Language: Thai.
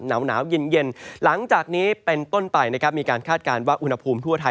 หนาวเย็นหลังจากนี้เป็นต้นไปนะครับมีการคาดการณ์ว่าอุณหภูมิทั่วไทย